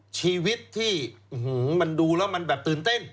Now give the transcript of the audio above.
ชีวิตที่มันดูแล้วมันแบบตื่นเต้น